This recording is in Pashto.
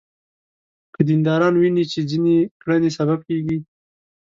که دینداران ویني چې ځینې کړنې سبب کېږي.